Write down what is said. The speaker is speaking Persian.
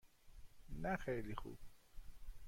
نه خیلی خوب.